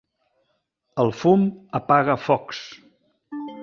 El fum apaga focs.